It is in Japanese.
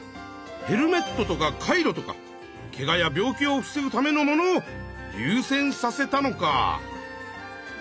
ヘルメットとかカイロとかけがや病気を防ぐためのものをゆう先させたのか。